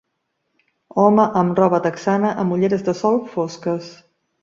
Home amb roba texana amb ulleres de sol fosques.